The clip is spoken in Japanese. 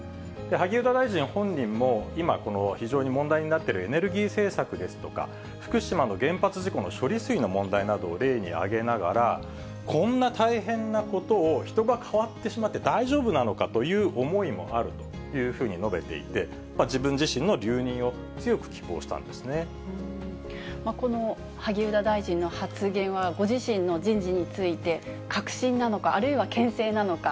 萩生田大臣本人も、今、この非常に問題になっているエネルギー政策ですとか、福島の原発事故の処理水の問題などを例に挙げながら、こんな大変なことを人が代わってしまって、大丈夫なのかという思いもあるというふうに述べていて、自分自身この萩生田大臣の発言は、ご自身の人事について、かくしんなのか、あるいはけん制なのか。